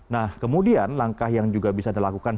nah kemudian langkah yang juga bisa dilakukan